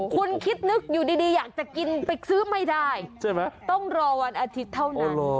คุณคิดนึกอยู่ดีอยากจะกินไปซื้อไม่ได้ใช่ไหมต้องรอวันอาทิตย์เท่านั้น